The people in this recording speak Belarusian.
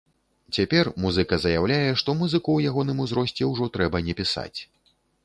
Цяпер музыка заяўляе, што музыку ў ягоным узросце ўжо трэба не пісаць.